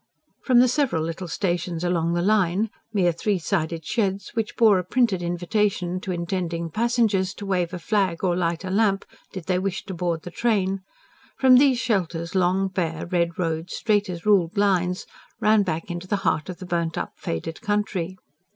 From the several little stations along the line: mere three sided sheds, which bore a printed invitation to intending passengers to wave a flag or light a lamp, did they wish to board the train: from these shelters long, bare, red roads, straight as ruled lines, ran back into the heart of the burnt up, faded country.